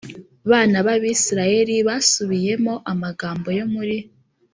bana b Abisirayeli basubiyemo amagambo yo muri